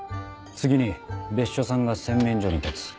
次に別所さんが洗面所に立つ。